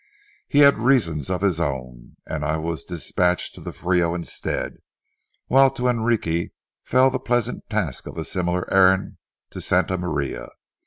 He had reasons of his own, and I was dispatched to the Frio instead, while to Enrique fell the pleasant task of a similar errand to Santa Maria.